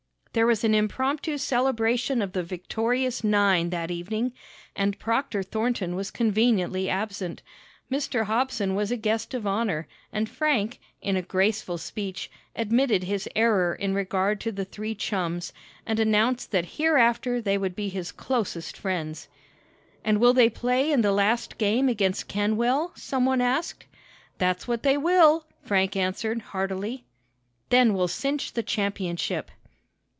There was an impromptu celebration of the victorious nine that evening, and Proctor Thornton was conveniently absent. Mr. Hobson was a guest of honor, and Frank, in a graceful speech, admitted his error in regard to the three chums, and announced that hereafter they would be his closest friends. "And will they play in the last game against Kenwell?" some one asked. "That's what they will!" Frank answered, heartily. "Then we'll cinch the championship!"